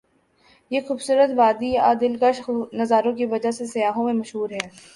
یہ خو بصورت وادی ا دل کش نظاروں کی وجہ سے سیاحوں میں مشہور ہے ۔